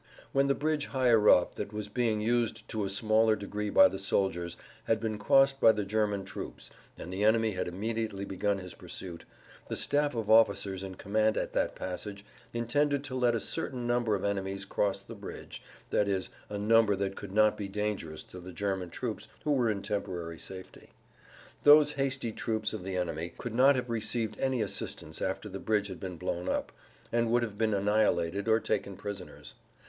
When the bridge higher up, that was being used to a smaller degree by the soldiers, had been crossed by the German troops and the enemy had immediately begun his pursuit, the staff of officers in command at that passage intended to let a certain number of enemies cross the bridge, i.e., a number that could not be dangerous to the German troops who were in temporary safety. Those hasty troops of the enemy could not have received any assistance after the bridge had been blown up, and would have been annihilated or taken prisoners.